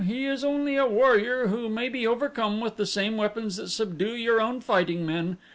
He is only a warrior who may be overcome with the same weapons that subdue your own fighting men.